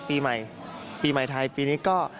ปีใหม่ปีใหม่ไทยปีนี้ก็